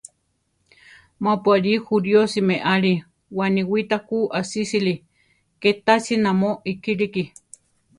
Ma-pu aʼlí juríosi meʼali, waniwíta ku asísili, ké tási namó ikíliki.